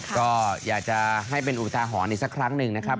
ก็อยากจะให้เป็นอุทาหรณ์อีกสักครั้งหนึ่งนะครับ